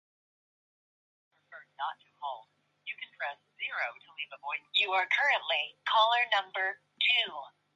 Its call letters originally stood for "Family Television Station".